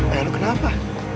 eh lu kenapa